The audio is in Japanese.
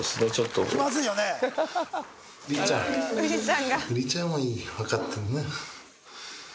ウリちゃんは分かってるね。